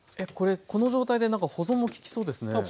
これこの状態で保存も利きそうですね。